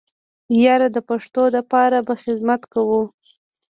ياره د پښتو د پاره به خدمت کوو.